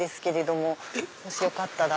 もしよかったら。